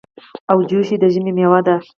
اوجوشي د ژمي مېوه ده.